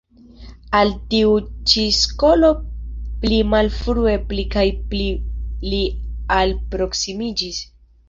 Al tiu ĉi skolo pli malfrue pli kaj pli li alproksimiĝis.